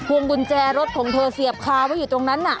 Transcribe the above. วงกุญแจรถของเธอเสียบคาไว้อยู่ตรงนั้นน่ะ